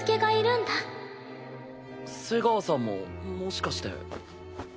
瀬川さんももしかして。